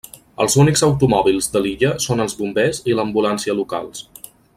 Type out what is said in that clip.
Els únics automòbils de l'illa són els bombers i l'ambulància locals.